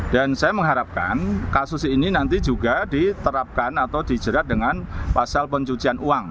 saya mengharapkan kasus ini nanti juga diterapkan atau dijerat dengan pasal pencucian uang